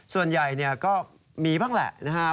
ส่วนใหญ่ก็มีบ้างแหละนะครับ